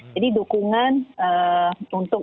jadi dukungan untuk